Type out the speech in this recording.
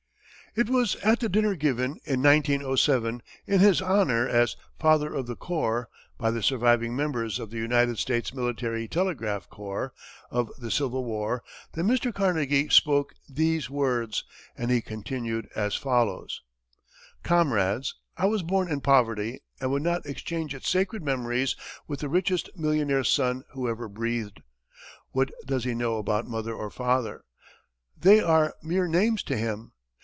It was at the dinner given, in 1907, in his honor as "Father of the Corps," by the surviving members of the United States Military Telegraph Corps of the Civil War, that Mr. Carnegie spoke these words, and he continued as follows: "Comrades, I was born in poverty, and would not exchange its sacred memories with the richest millionaire's son who ever breathed. What does he know about mother or father? They are mere names to him.